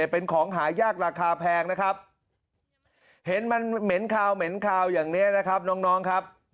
เป็นของหายากราคาแพงนะครับเห็นมันเหม็นคาวเหม็นคาวอย่างนี้นะครับน้องครับ